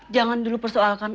jangan dulu persoalkan